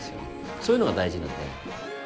そういうのが大事なんで。